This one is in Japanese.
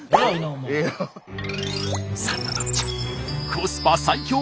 コスパ最強？